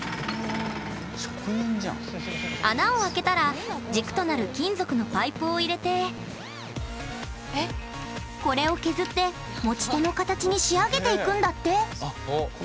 穴を開けたら軸となる金属のパイプを入れてこれを削って持ち手の形に仕上げていくんだって。